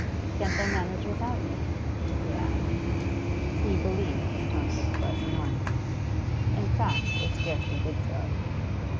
'Can't they manage without you?' he asked. He believed his tone to express annoyance: in fact, it scarcely did so.